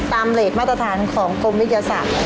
เลสมาตรฐานของกรมวิทยาศาสตร์